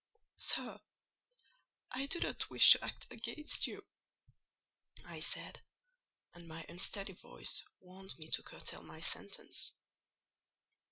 "Sir, I do not wish to act against you," I said; and my unsteady voice warned me to curtail my sentence.